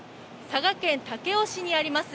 佐賀県武雄市にあります